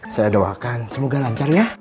saya doakan semoga lancar ya